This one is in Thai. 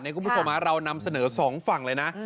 คุณผู้ชมเรานำเสนอสองฝั่งเลยนะ